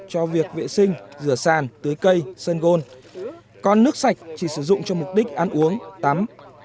cho việc vệ sinh rửa sàn tưới cây sơn gôn còn nước sạch chỉ sử dụng cho mục đích ăn uống tắm